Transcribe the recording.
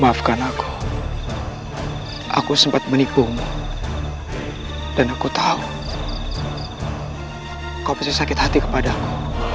maafkan aku aku sempat menipu dan aku tahu kau pasti sakit hati kepadamu